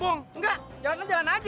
enggak jalan jalan aja